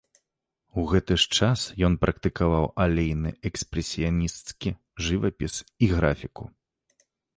У гэты ж час ён практыкаваў алейны экспрэсіянісцкі жывапіс і графіку.